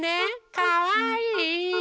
かわいい。